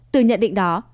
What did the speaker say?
từ nhận định đó